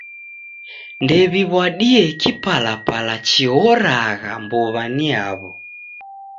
Ndew'iw'adie kipalapala chiroghagha mbuw'a ni yaw'o.